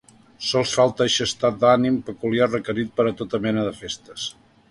Sols falta eixe estat d’ànim peculiar requerit per a tota mena de festes.